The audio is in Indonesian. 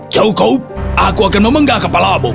cukup aku akan memenggah kepalamu